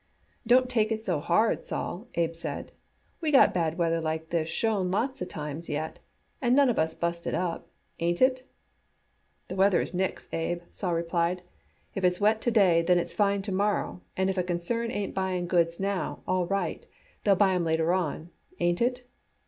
"Don't take it so hard, Sol," Abe said. "We got bad weather like this schon lots of times yet, and none of us busted up. Ain't it?" "The weather is nix, Abe," Sol replied. "If it's wet to day then it's fine to morrow, and if a concern ain't buying goods now all right. They'll buy 'em later on. Ain't it?